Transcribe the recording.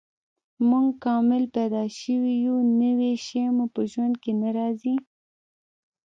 موږ کامل پیدا شوي یو، نوی شی مو په ژوند کې نه راځي.